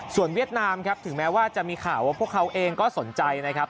ส่วนเวียดนามครับถึงแม้ว่าจะมีข่าวว่าพวกเขาเองก็สนใจนะครับ